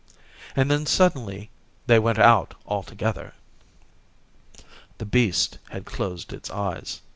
And then suddenly they went out altogether. The beast had closed its eyes.